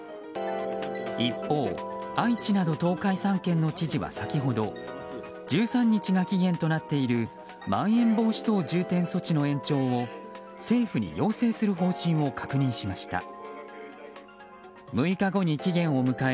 一方、愛知など東海３県の知事は先ほど１３日が期限となっているまん延防止等重点措置の延長を政府に要請する方針を確認しました。